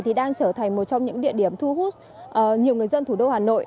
thì đang trở thành một trong những địa điểm thu hút nhiều người dân thủ đô hà nội